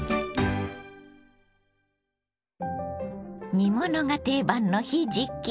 煮物が定番のひじき。